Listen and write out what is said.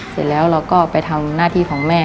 เสร็จแล้วเราก็ไปทำหน้าที่ของแม่